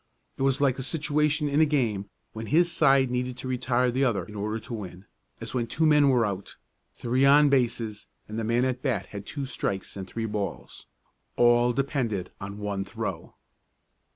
It was like a situation in a game when his side needed to retire the other in order to win, as when two men were out, three on bases and the man at bat had two strikes and three balls. All depended on one throw.